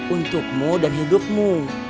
untukmu dan hidupmu